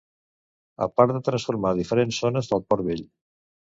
a part de transformar diferents zones del Port Vell